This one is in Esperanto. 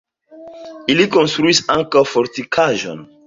Ili konstruis ankaŭ fortikaĵon.